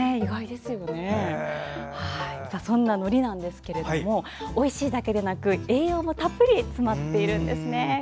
そんなのりなんですけれどおいしいだけでなく栄養もたっぷり詰まっているんです。